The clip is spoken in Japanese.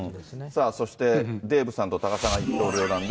さあ、そしてデーブさんと多賀さんが一刀両断で。